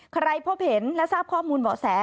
พบเห็นและทราบข้อมูลเบาะแส